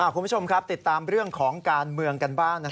คุณผู้ชมครับติดตามเรื่องของการเมืองกันบ้าง